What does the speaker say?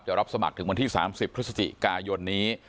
รับสมัครถึงวันที่๓๐พฤศจิกายนนี้